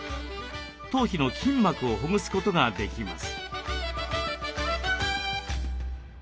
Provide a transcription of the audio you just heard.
頭皮の筋膜をほぐすことができます。